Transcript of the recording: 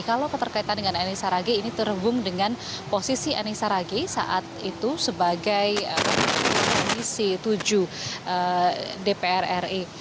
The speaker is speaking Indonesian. kalau keterkaitan dengan eni saragi ini terhubung dengan posisi eni saragi saat itu sebagai komisi tujuh dpr ri